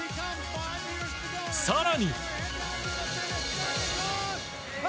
更に。